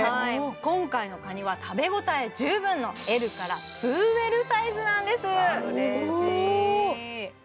今回のカニは食べ応え十分のＬから２Ｌサイズなんです嬉しい